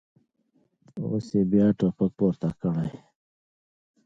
اوس یې بیا ټوپک پورته کړی.